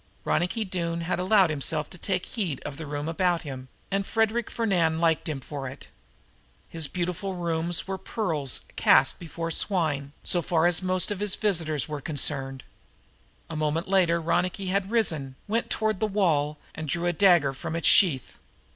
Ronicky Doone had allowed himself to take heed of the room about him, and Frederic Fernand liked him for it. His beautiful rooms were pearls cast before swine, so far as most of his visitors were concerned. A moment later Ronicky had risen, went toward the wall and drew a dagger from its sheath.